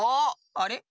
あれ？